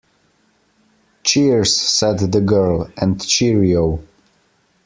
Cheers, said the girl, and cheerio